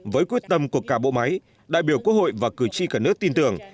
với quyết tâm của cả bộ máy đại biểu quốc hội và cử tri cả nước tin tưởng